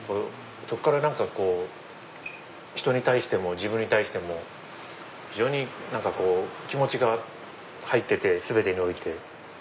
そこから何かひとに対しても自分に対しても非常に気持ちが入ってて全てにおいて。